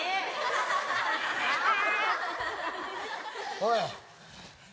・おい。